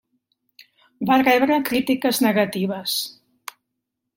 Va rebre crítiques negatives.